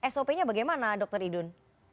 sop nya bagaimana dr idun